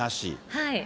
はい。